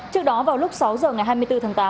trước đó vào lúc sáu giờ ngày hai mươi bốn tháng tám